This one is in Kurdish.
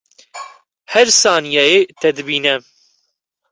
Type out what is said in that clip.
Her saniyeyê te dibîne